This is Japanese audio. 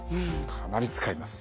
かなり使います。